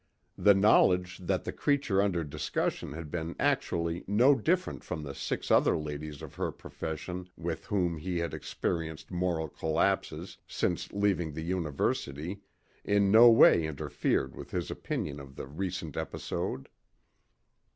The knowledge that the creature under discussion had been actually no different from the six other ladies of her profession with whom he had experienced moral collapses since leaving the university in no way interfered with his opinion of the recent episode.